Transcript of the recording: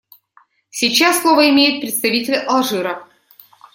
Сейчас слово имеет представитель Алжира.